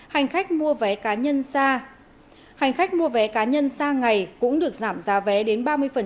hành khách mua vé cá nhân xa ngày cũng được giảm giá vé đến ba mươi